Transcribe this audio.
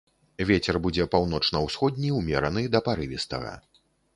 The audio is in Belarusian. Вецер будзе паўночна-ўсходні ўмераны да парывістага.